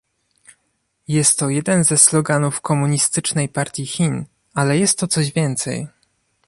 Jest to jeden ze sloganów Komunistycznej Partii Chin, ale jest to coś więcej